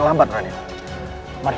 aku harus tahan di amerika tenggara